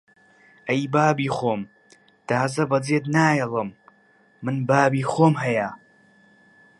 ئەی بابی خۆم! تازە بەجێت نایەڵم! من بابی خۆم هەیە!